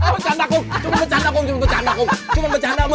becanda kom cuman becanda kom cuman becanda kom cuman becanda